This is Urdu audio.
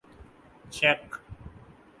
چیک